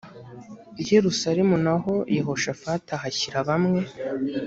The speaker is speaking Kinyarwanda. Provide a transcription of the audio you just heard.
i yerusalemu na ho yehoshafati ahashyira bamwe